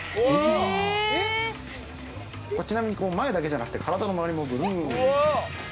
ちなみに前だけじゃなくて体の周りもぐるーん。